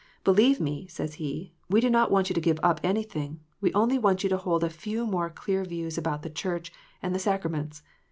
"Believe me," he says, "we do not want you to give up anything. We only want you to hold a few more clear views about the Church and the sacraments.